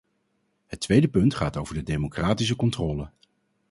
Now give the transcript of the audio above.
Het tweede punt gaat over de democratische controle.